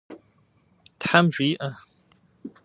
Тхьэм жиӏэ!